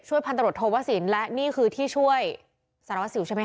ช่วยพันตะรดโทวะศิลป์และนี่คือที่ช่วยสารวัสดิ์สิวใช่ไหม